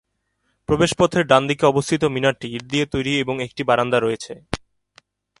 প্রবেশ পথের ডানদিকে অবস্থিত মিনারটি ইট দিয়ে তৈরি এবং একটি বারান্দা রয়েছে।